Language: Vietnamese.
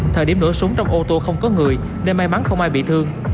thời điểm nổ súng trong ô tô không có người nên may mắn không ai bị thương